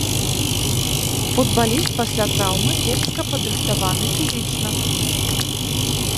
Футбаліст пасля траўмы кепска падрыхтаваны фізічна.